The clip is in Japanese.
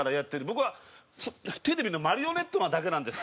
僕はテレビのマリオネットなだけなんですただの。